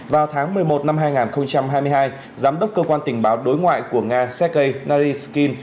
vào tháng một mươi một năm hai nghìn hai mươi hai giám đốc cơ quan tình báo đối ngoại của nga sergei naryshkin